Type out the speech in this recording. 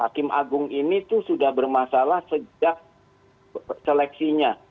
hakim agung ini tuh sudah bermasalah sejak seleksinya